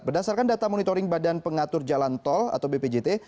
berdasarkan data monitoring badan pengatur jalan tol atau bpjt